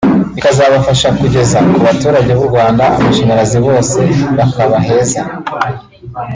ikazabafasha kugeza ku baturage b’u Rwanda amashanyarazi bose bakaba heza